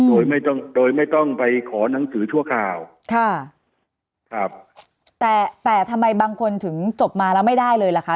โดยไม่ต้องโดยไม่ต้องไปขอหนังสือชั่วคราวค่ะครับแต่แต่ทำไมบางคนถึงจบมาแล้วไม่ได้เลยล่ะคะ